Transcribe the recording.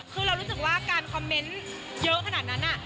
คือเรารู้สึกว่าการคอมเมนต์เยอะขนาดนั้น